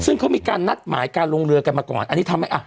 ซึ่งเขามีการนัดหมายการลงเรือกันมาก่อนอันนี้ทำให้อ่ะ